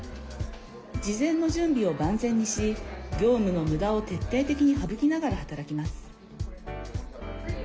事前の準備を万全にし業務のむだを徹底的に省きながら働きます。